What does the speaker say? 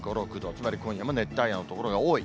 つまり今夜も熱帯夜の所が多い。